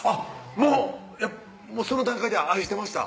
もうその段階では愛してました？